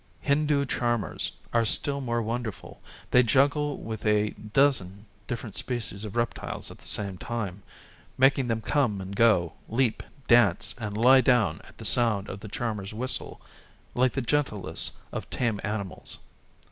Hindoo charmers are still more wonderful; they juggle with a dozen different species of reptiles at the same time, making them come and go, leap, dance, and lie down at the sound of the charmer's whistle, like the gentlest of tame animals.